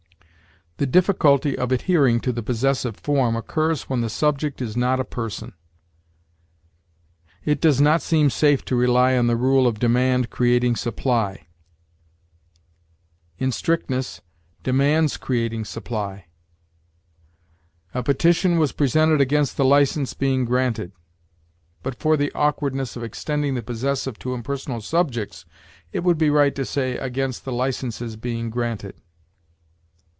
The difficulty of adhering to the possessive form occurs when the subject is not a person: 'It does not seem safe to rely on the rule of demand creating supply': in strictness, 'Demand's creating supply.' 'A petition was presented against the license being granted.' But for the awkwardness of extending the possessive to impersonal subjects, it would be right to say, 'against the license's being granted.'